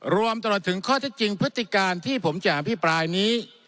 รวมตลอดถึงข้อที่จริงพฤติการที่ผมจะอภิปรายนี้